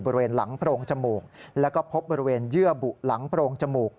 บริเวณหลังโพรงจมูกแล้วก็พบบริเวณเยื่อบุหลังโพรงจมูก